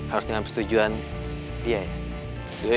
harus dengan persetujuan dia ya